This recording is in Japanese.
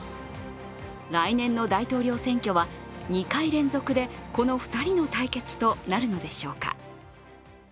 来年の大統領選挙は２回連続でこの２人の対決となるのでしょうか。